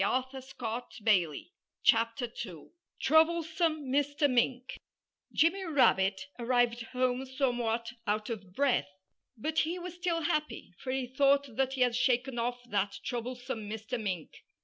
[Illustration: 2 Troublesome Mr. Mink] 2 Troublesome Mr. Mink Jimmy Rabbit arrived home somewhat out of breath. But he was still happy, for he thought that he had shaken off that troublesome Mr. Mink.